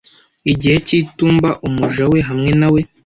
igihe cy'itumba umuja we hamwe na we